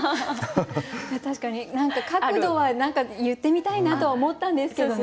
確かに角度は言ってみたいなとは思ったんですけどね。